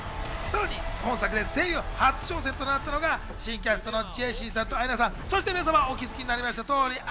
さらに今作で声優初挑戦となったのが新キャストのジェシーさんとアイナさん、そして皆様お気づきになりました。